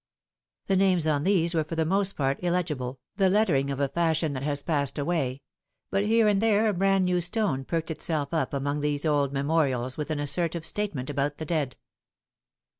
The names on these were for the most part illegible, the lettering of a fashion that has passed away ; but here and there a brand new stone perked itself up among these old memorials with an assertive statement about the dead.